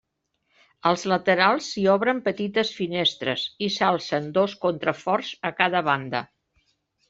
Als laterals s'hi obren petites finestres i s'alcen dos contraforts a cada banda.